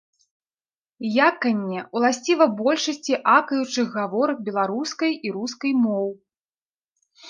Яканне ўласціва большасці акаючых гаворак беларускай і рускай моў.